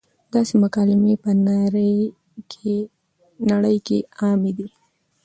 داسې مکالمې پۀ نړۍ کښې عامې دي -